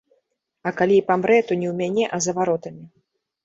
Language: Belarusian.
А калі і памрэ, то не ў мяне, а за варотамі.